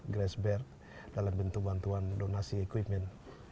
grass bear dalam bentuk bantuan donasi equipment